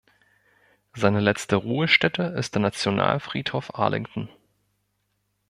Seine letzte Ruhestätte ist der Nationalfriedhof Arlington.